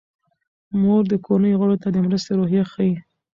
مور د کورنۍ غړو ته د مرستې روحیه ښيي.